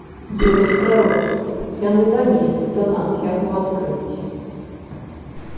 Ёсць прарокі, яны данеслі да нас яго адкрыцці.